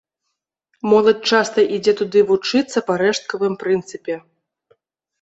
Моладзь часта ідзе туды вучыцца па рэшткавым прынцыпе.